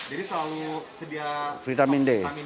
jadi selalu sedia vitamin d di rumah